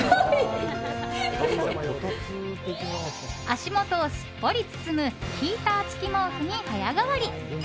足元をすっぽり包むヒーター付き毛布に早変わり。